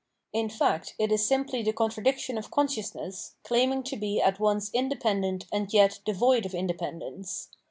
In fact, it is simply the contradiction of consciousness claiming to be at once independent and yet devoid of independence.